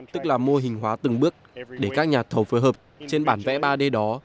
tức là mô hình hóa từng bước để các nhà thầu phối hợp trên bản vẽ ba d đó